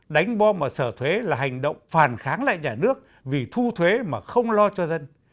đánh bom ở sở thuế là hành động phản kháng lại nhà nước vì thu thuế mà không lo cho dân